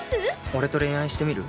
俺と恋愛してみる？